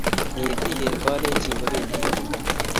Ngetik en kalejin kopendi tumdo